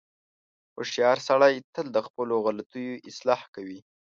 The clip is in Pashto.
• هوښیار سړی تل د خپلو غلطیو اصلاح کوي.